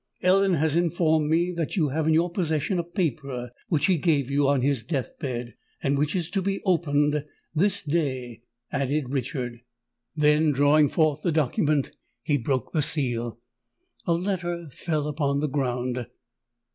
"Ellen has informed me that you have in your possession a paper which he gave you on his death bed——" "And which is to be opened this day," added Richard. Then, drawing forth the document, he broke the seal. A letter fell upon the ground.